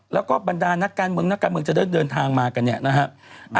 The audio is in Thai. แล้วก็บรรดานักการเมืองนักการเมืองจะเดินทางมากันเนี่ยนะฮะ